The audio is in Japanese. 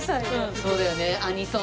そうだよねアニソン。